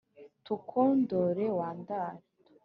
Tukwondore wandare